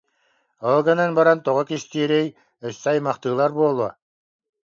Ол гынан баран тоҕо кистиирий, өссө аймахтыылар буолуо